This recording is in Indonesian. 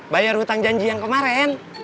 bayar hutang janji yang kemarin